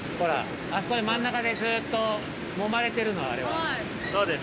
あそこで真ん中でずっともまれてるの、あれは。